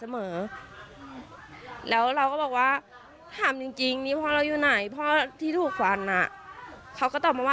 ไม่ค่ะ